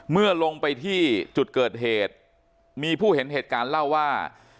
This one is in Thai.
เมื่อลงไปที่จุดเกิดเหตุมีผู้เห็นเหตุการณ์เล่าว่า